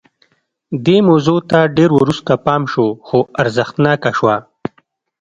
دې موضوع ته ډېر وروسته پام شو خو ارزښتناکه شوه